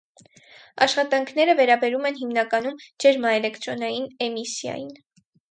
Աշխատանքները վերաբերում են հիմնականում ջերմաէլեկտրոնային էմիսիային։